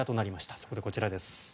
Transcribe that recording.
そこでこちらです。